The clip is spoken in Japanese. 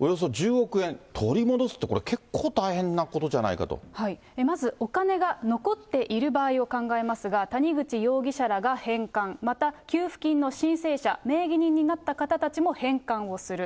およそ１０億円、取り戻すって、これ、結構大変なことじゃないかまずお金が残っている場合を考えますが、谷口容疑者らが返還、また給付金の申請者、名義人になった方たちも返還をする。